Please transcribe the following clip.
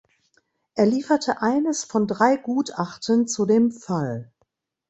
Er lieferte eines von drei Gutachten zu dem Fall.